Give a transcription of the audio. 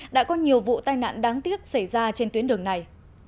đã có nhiều vụ tai nạn đáng tiếc xảy ra trên tuyến đường này